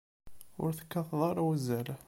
Ur tekkateḍ ara uzzal.